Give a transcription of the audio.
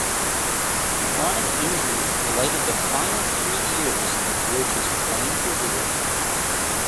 Chronic injury blighted the final three years of Roach's playing career.